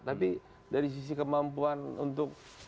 tapi dari sisi kemampuan untuk